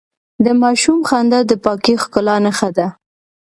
د ماشوم خندا د پاکې ښکلا نښه ده.